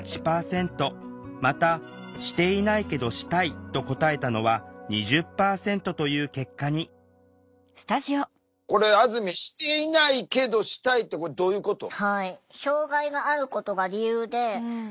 また「していないけどしたい」と答えたのは２０％という結果にこれあずみん「していないけどしたい」ってどういうこと？